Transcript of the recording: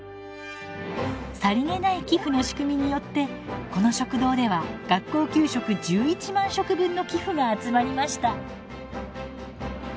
さりげない寄付の仕組みによってこの食堂では学校給食１１万食分の寄付が集まりました。